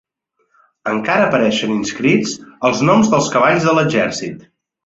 Encara apareixien inscrits els noms dels cavalls de l'exèrcit.